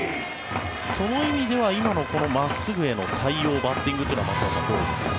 その意味では今のこの真っすぐへの対応バッティングというのは松坂さん、どうですか？